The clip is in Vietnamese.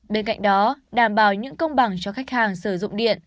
bên cạnh đó đảm bảo những công bằng cho khách hàng sử dụng điện